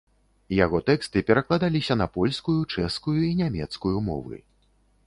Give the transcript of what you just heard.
Яго тэксты перакладаліся на польскую, чэшскую і нямецкую мовы.